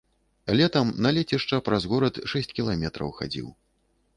Летам на лецішча праз горад шэсць кіламетраў хадзіў.